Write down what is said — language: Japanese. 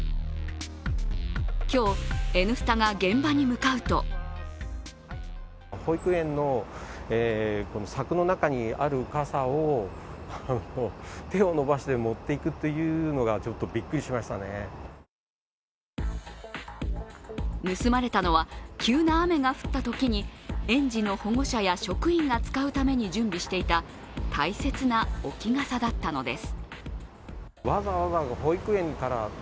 今日「Ｎスタ」が現場に向かうと盗まれたのは急な雨が降ったときに園児の保護者や職員が使うために準備していた大切な置き傘だったのです。